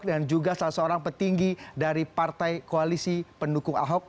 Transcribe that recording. juga salah seorang petinggi dari partai koalisi pendukung ahok